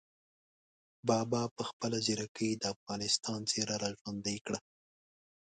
بابا په خپله ځیرکۍ د افغانستان څېره را ژوندۍ کړه.